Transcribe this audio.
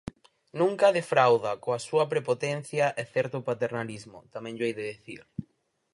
Nunca defrauda coa súa prepotencia e certo paternalismo, tamén llo hei de dicir.